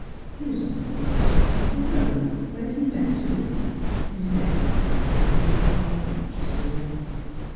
He was on the point of starting for Home, where he meant to winter; his native country having become obnoxious to him.